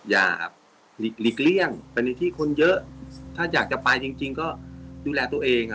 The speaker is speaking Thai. อย่าหลีกเลี่ยงไปในที่คนเยอะถ้าอยากจะไปจริงก็ดูแลตัวเอง